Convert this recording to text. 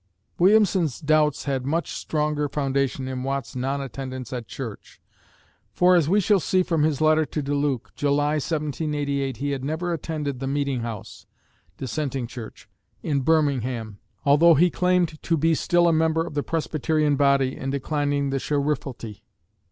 Williamson's doubts had much stronger foundation in Watt's non attendance at church, for, as we shall see from his letter to DeLuc, July, 1788, he had never attended the "meeting house" (dissenting church) in Birmingham altho he claimed to be still a member of the Presbyterian body in declining the sheriffalty.